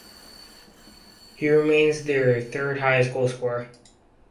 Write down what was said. He remains their third highest goalscorer.